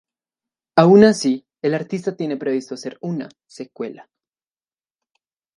Aun así, el artista tiene previsto hacer una "secuela".